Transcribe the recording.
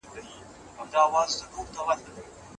حق پالونکي تل په حق باندې باوري وي.